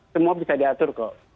semua bisa diatur kok